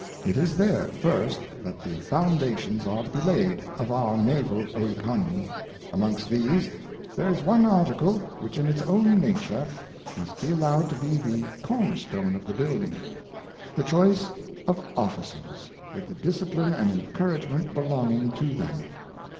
It is there, first, that the Foundations are to be laid of our Naval Oeconomy ; amongst these, there is one Article which in its ovm Nature must be allowed to be the Corner stone of the Building: the Choice oi Officers, with the Discipline and Encouragement belonging to them.